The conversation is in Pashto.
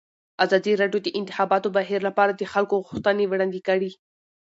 ازادي راډیو د د انتخاباتو بهیر لپاره د خلکو غوښتنې وړاندې کړي.